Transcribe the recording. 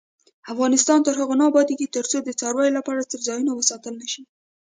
افغانستان تر هغو نه ابادیږي، ترڅو د څارویو لپاره څړځایونه وساتل نشي.